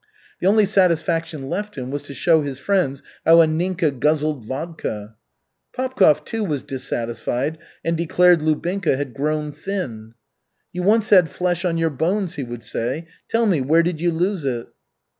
The only satisfaction left him was to show his friends how Anninka "guzzled vodka." Popkov, too, was dissatisfied and declared Lubinka had grown thin. "You once had flesh on your bones," he would say, "tell me, where did you lose it?"